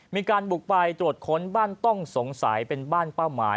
มีการบุกไปตรวจค้นบ้านต้องสงสัยเป็นบ้านเป้าหมาย